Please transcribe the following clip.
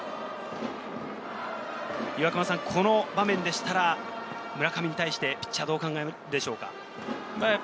この場面でしたら、村上に対してピッチャーはどう考えるでしょうか？